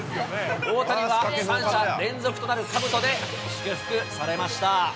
大谷は３者連続となるかぶとで祝福されました。